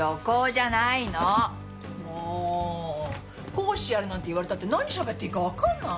講師やれなんて言われたって何しゃべっていいかわかんない！